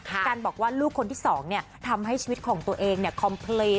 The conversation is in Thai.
กันบอกว่าลูกคนที่สองเนี่ยทำให้ชีวิตของตัวเองเนี่ย